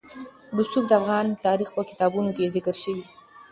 رسوب د افغان تاریخ په کتابونو کې ذکر شوی دي.